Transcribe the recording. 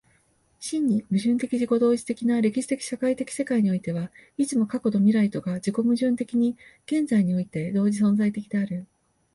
真に矛盾的自己同一的な歴史的社会的世界においては、いつも過去と未来とが自己矛盾的に現在において同時存在的である。